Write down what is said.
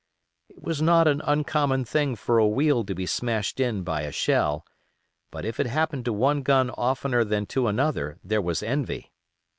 It was not an uncommon thing for a wheel to be smashed in by a shell, but if it happened to one gun oftener than to another there was envy.